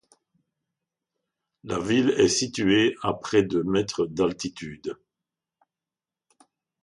La ville est située à près de mètres d'altitude.